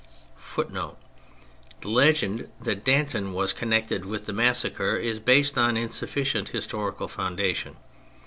^^ The legend that Danton was connected with the massacres is based on insufficient historical foundation.